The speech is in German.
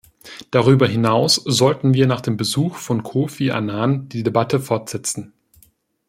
Darüber hinaus sollten wir nach dem Besuch von Kofi Annan die Debatte fortsetzen.